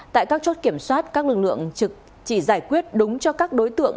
tại các chốt kiểm soát các lực lượng trực chỉ giải quyết đúng cho các đối tượng